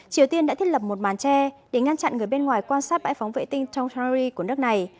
triều tiên đã thiết lập một màn tre để ngăn chặn người bên ngoài quan sát bãi phóng vệ tinh tongtury của nước này